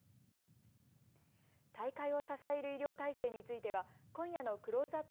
大会を支える医療体制については今夜のクローズアップ